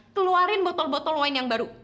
keluarin botol botol wine yang baru